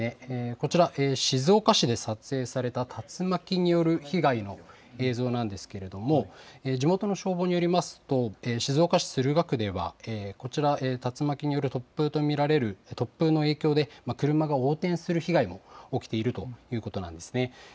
こちら、静岡市で撮影された竜巻による被害の映像なんですけれども、地元の消防によりますと、静岡市駿河区では、こちら、竜巻による突風と見られる、突風の影響で、車が横転する被害も起きているということなんですね。